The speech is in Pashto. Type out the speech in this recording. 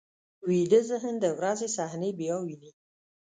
ویده ذهن د ورځې صحنې بیا ویني